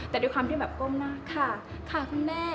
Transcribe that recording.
แต่ด้วยความว่าก้มหน้าค่าค่ากับแม่